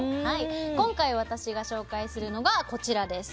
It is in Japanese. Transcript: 今回私が紹介するのがこちらです。